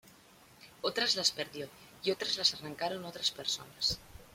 Otras las perdió y otras las arrancaron otras personas.